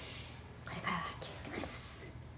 これからは気を付けます。